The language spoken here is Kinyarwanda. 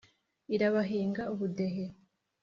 irabahinga ubudehe,